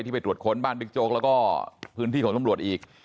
ไปตรวจค้นบ้านบิ๊กโจ๊กแล้วก็พื้นที่ของตำรวจอีก